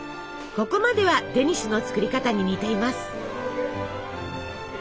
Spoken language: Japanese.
ここまではデニッシュの作り方に似ています。